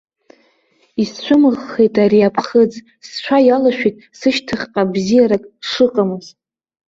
Исцәымыӷхеит ари аԥхыӡ, сцәа иалашәеит сышьҭахьҟа бзиарак шыҟамыз.